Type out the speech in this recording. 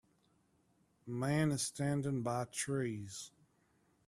A man is standing by trees.